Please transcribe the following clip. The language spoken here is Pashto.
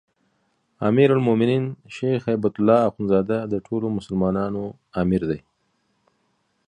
امیرالمؤمنین شيخ هبة الله اخوندزاده د ټولو مسلمانانو امیر دی